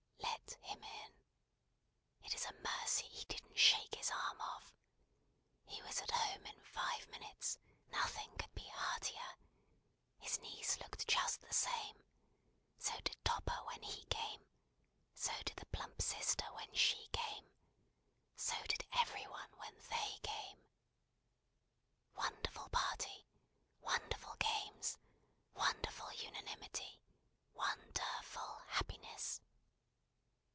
Let him in! It is a mercy he didn't shake his arm off. He was at home in five minutes. Nothing could be heartier. His niece looked just the same. So did Topper when he came. So did the plump sister when she came. So did every one when they came. Wonderful party, wonderful games, wonderful unanimity, won der ful happiness!